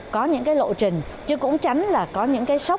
có những cái lộ trình chứ cũng tránh là có những cái sốc